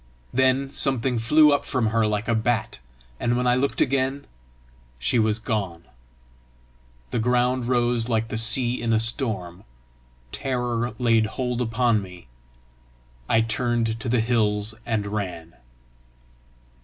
Then something flew up from her like a bat, and when I looked again, she was gone. The ground rose like the sea in a storm; terror laid hold upon me; I turned to the hills and ran.